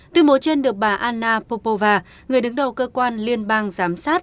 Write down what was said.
từ mối trên được bà anna popova người đứng đầu cơ quan liên bang giám sát